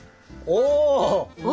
お！